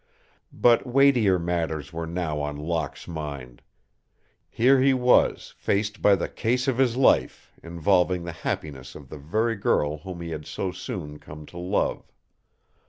But weightier matters were now on Locke's mind. Here he was faced by the case of his life, involving the happiness of the very girl whom he had so soon come to love.